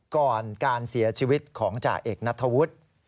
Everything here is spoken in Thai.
ก่อนการเสียชีวิตของจ่าเอกนัทธวุฒิ